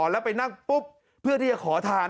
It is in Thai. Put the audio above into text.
แล้วไปนั่งปุ๊บเพื่อที่จะขอทาน